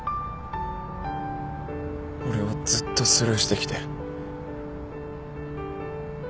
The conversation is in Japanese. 俺はずっとスルーしてきて。